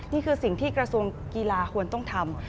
นี่คือสิ่งที่กระทรวงกีฬาควรต้องทำ